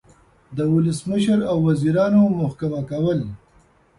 د ولسمشر او وزیرانو محکمه کول